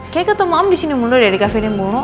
kayaknya ketemu om disini mulu deh di cafe dia mulu